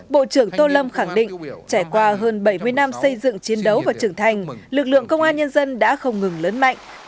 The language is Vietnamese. bộ trưởng tô lâm khẳng định trải qua hơn bảy mươi năm xây dựng chiến đấu và trưởng thành lực lượng công an nhân dân đã không ngừng lớn mạnh